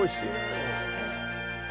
そうですね